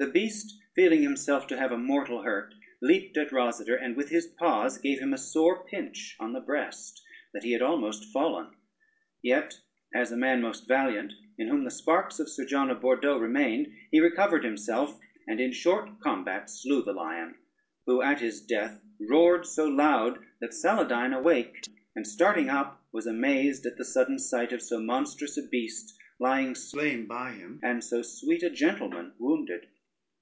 The beast feeling himself to have a mortal hurt, leapt at Rosader, and with his paws gave him a sore pinch on the breast, that he had almost fallen; yet as a man most valiant, in whom the sparks of Sir John of Bordeaux remained, he recovered himself, and in short combat slew the lion, who at his death roared so loud that Saladyne awaked, and starting up, was amazed at the sudden sight of so monstrous a beast lying slain by him, and so sweet a gentleman wounded.